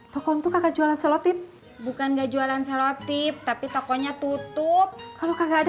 toko untuk kajual selotip bukan enggak jualan selotip tapi tokonya tutup kalau enggak ada